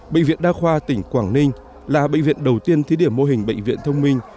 bệnh viện đa khoa tỉnh quảng ninh là bệnh viện đầu tiên thí điểm mô hình bệnh viện thông minh